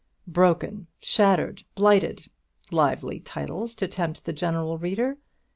'Broken!' 'Shattered!' 'Blighted!' Lively titles to tempt the general reader!